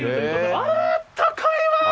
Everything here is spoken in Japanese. あー、あったかいわ。